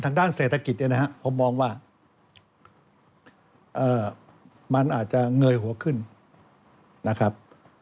ทางด้านเศรษฐกิจเนี่ยนะครับผมมองว่ามันอาจจะเงยหัวขึ้นนะครับ